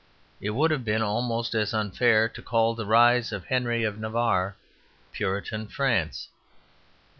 It would have been almost as unfair to call the rise of Henry of Navarre "Puritan France."